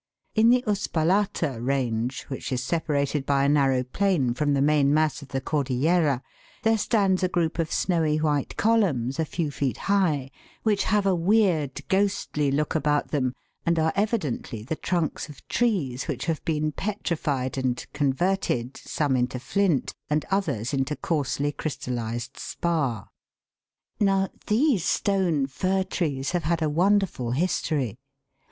In the Uspallata range, which is separated by a narrow plain from the main mass of the Cordillera, there stands a group of snowy white columns, a few feet high, which have a weird, ghostly look about them, and are evidently the trunks of trees which have been petrified and con verted, some into flint, and others into coarsely crystallised spar. Now, these stone fir trees have had a wonderful history.